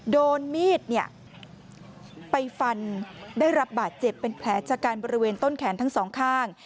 โดนมีดไปฟันได้รับบาดเจ็บเป็นแผลจากการบริเวณต้นแขนทั้งสองข้าง